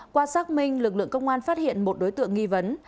qua xác minh lực lượng công an phát hiện một đối tượng nghi vấn